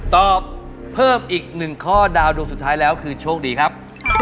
ตอบเพิ่มอีกหนึ่งข้อดาวดวงสุดท้ายแล้วคือโชคดีครับ